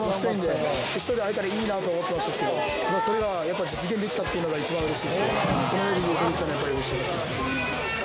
決勝で会えたらいいなと思ってましたけどそれが実現できたっていうのが一番嬉しいしその上で優勝できたのはやっぱり嬉しいです。